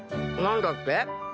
何だっけ？